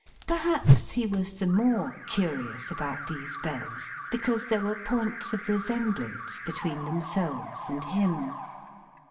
Perhaps he was the more curious about these Bells, because there were points of resemblance between themselves and him.